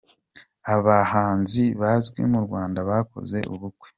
Abahanzi bazwi mu Rwanda bakoze ubukwe.